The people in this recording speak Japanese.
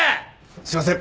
すいません。